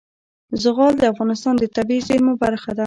زغال د افغانستان د طبیعي زیرمو برخه ده.